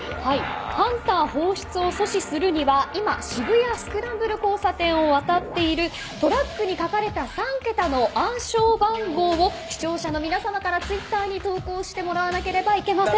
ハンター放出を阻止するには今、渋谷・スクランブル交差点を渡っているトラックに書かれた３桁の暗証番号を視聴者の皆様からツイッターに投稿してもらわなければいけません。